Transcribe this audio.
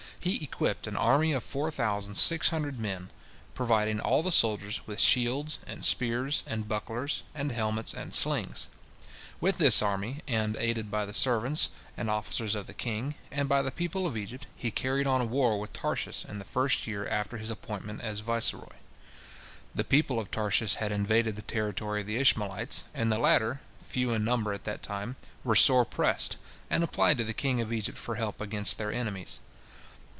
He equipped an army of four thousand six hundred men, providing all the soldiers with shields and spears and bucklers and helmets and slings. With this army, and aided by the servants and officers of the king, and by the people of Egypt, he carried on a war with Tarshish in the first year after his appointment as viceroy. The people of Tarshish had invaded the territory of the Ishmaelites, and the latter, few in number at that time, were sore pressed, and applied to the king of Egypt for help against their enemies.